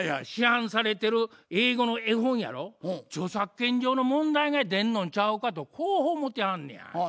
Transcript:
市販されてる英語の絵本やろ著作権上の問題が出んのんちゃうかとこう思うてはんねや。